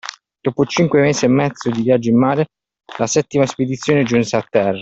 Dopo cinque mesi e mezzo di viaggio in mare, la settima spedizione giunse a terra.